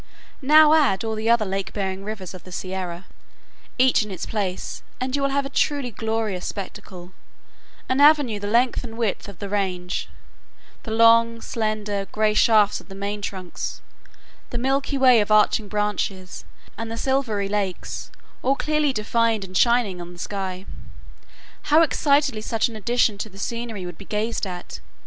Now add all the other lake bearing rivers of the Sierra, each in its place, and you will have a truly glorious spectacle,—an avenue the length and width of the range; the long, slender, gray shafts of the main trunks, the milky way of arching branches, and the silvery lakes, all clearly defined and shining on the sky. How excitedly such an addition to the scenery would be gazed at!